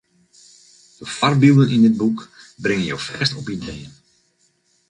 De foarbylden yn dit boek bringe jo fêst op ideeën.